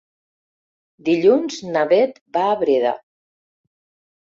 Dilluns na Beth va a Breda.